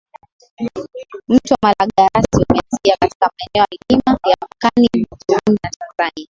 Mto Malagarasi umeanzia katika maeneo ya milima ya mpakani mwa Burundi na Tanzania